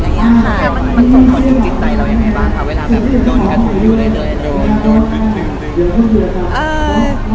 มันส่งผลจึงใจเรายังไงบ้างคะเวลาแบบโดนกระถุอยู่ด้วย